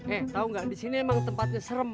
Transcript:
eh tau gak di sini emang tempatnya serem